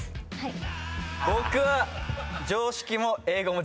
僕は。